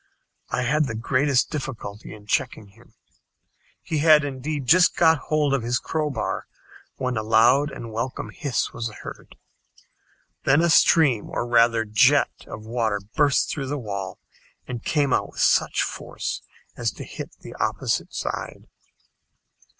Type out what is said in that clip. I had the greatest difficulty in checking him. He had indeed just got hold of his crowbar when a loud and welcome hiss was heard. Then a stream, or rather jet, of water burst through the wall and came out with such force as to hit the opposite side!